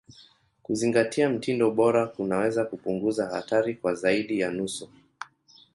Kuzingatia mtindo bora kunaweza kupunguza hatari kwa zaidi ya nusu.